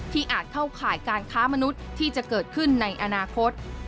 อาจเข้าข่ายการค้ามนุษย์ที่จะเกิดขึ้นในอนาคต